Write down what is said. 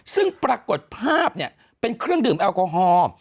ซึ่งปรากฏภาพเนี่ยเป็นเครื่องดื่มแอลกอฮอล์